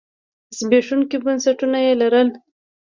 زبېښونکي بنسټونه یې لرل.